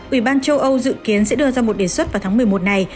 ủy ban châu âu dự kiến sẽ đưa ra một đề xuất vào tháng một mươi một này